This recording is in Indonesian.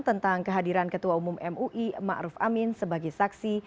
tentang kehadiran ketua umum mui ma'ruf amin sebagai saksi